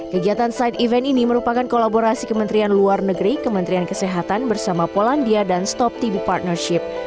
kegiatan side event ini merupakan kolaborasi kementerian luar negeri kementerian kesehatan bersama polandia dan stop tb partnership